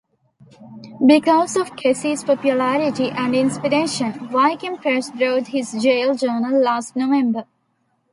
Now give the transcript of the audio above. Because of Kesey's popularity and inspiration, Viking Press brought his jail journal last November.